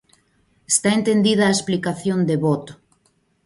Está entendida a explicación de voto.